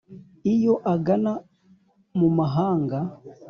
iyo agana mu mahanga